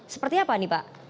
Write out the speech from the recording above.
seperti apa nih pak